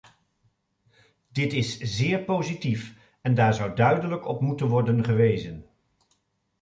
Dit is zeer positief en daar zou duidelijk op moeten worden gewezen.